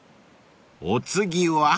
［お次は？］